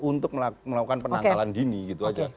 untuk melakukan penangkalan dini gitu aja